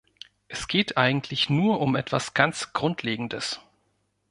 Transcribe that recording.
Es geht eigentlich nur um etwas ganz Grundlegendes.